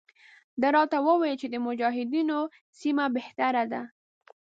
ده راته وویل چې د مجاهدینو سیمه بهتره ده.